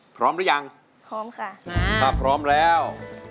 พร้อมหรือยังพร้อมค่ะถ้าพร้อมแล้ว